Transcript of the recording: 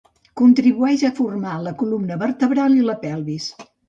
Contribuïx a formar la columna vertebral i la pelvis.